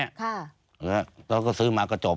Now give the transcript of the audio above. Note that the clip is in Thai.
แล้วก็ซื้อมาก็จบ